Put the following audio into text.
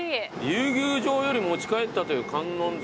「竜宮城より持ち帰ったという観音像」